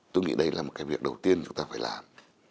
tôi nghĩ đây là một cái việc đầu tiên chúng ta phải làm